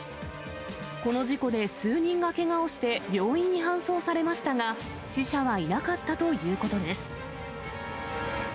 この事故で数人がけがをして、病院に搬送されましたが、死者はいなかったということです。